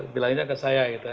bilangnya ke saya gitu